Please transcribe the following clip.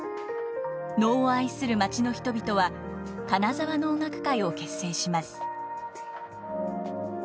能を愛する町の人々は金沢能楽会を結成します。